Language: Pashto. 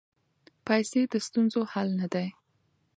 پیسې د ستونزو حل نه دی.